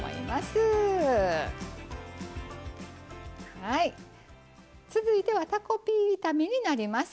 はい続いてはたこピー炒めになります。